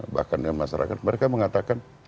bahkan dengan masyarakat mereka mengatakan